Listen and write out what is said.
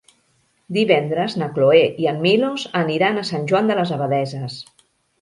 Divendres na Cloè i en Milos aniran a Sant Joan de les Abadesses.